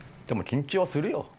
でも緊張はするよ。